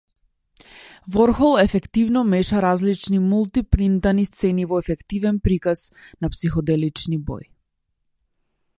Ворхол ефективно меша различни мулти-принтани сцени во ефективен приказ на психоделични бои.